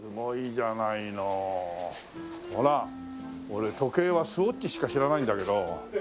俺時計はスウォッチしか知らないんだけど。